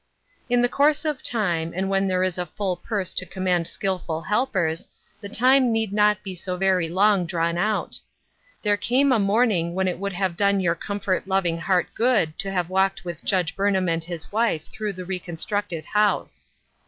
In the course of time, and when there is a full purse to command skillful helpers, the time need not be so very long drawn out. There came a morning when it would have done your comfort lo\'ing heart good to have walked with Judge Burnham and his wife through the reconstructed house